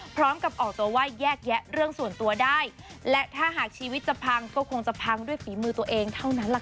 พร้อมกับออกตัวว่าแยกแยะเรื่องส่วนตัวได้และถ้าหากชีวิตจะพังก็คงจะพังด้วยฝีมือตัวเองเท่านั้นแหละค่ะ